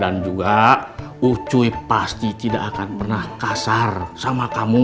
dan juga ucuy pasti tidak akan pernah kasar sama kamu